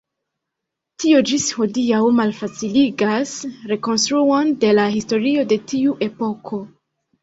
Tio ĝis hodiaŭ malfaciligas rekonstruon de la historio de tiu epoko.